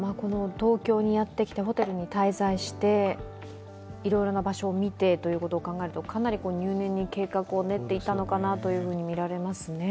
東京にやってきてホテルに滞在して、いろいろな場所を見てということを考えると、かなり入念に計画を練っていたのかなとみられますね。